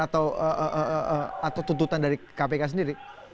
atau tuntutan dari kpk sendiri